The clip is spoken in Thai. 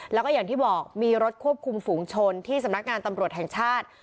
แล้วก็อย่างที่บอกมีรถควบคุมฝูงชนที่สำนักงานตำรวจแห่งชาติ